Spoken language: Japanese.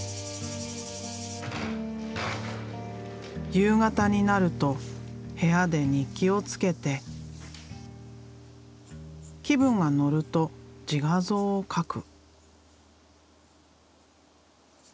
夕方になると部屋で日記をつけて気分が乗ると自画像を描く。